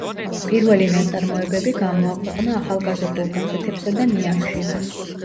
პირველი ნაწარმოებები გამოაქვეყნა ახალგაზრდულ გაზეთებსა და „ნიანგში“.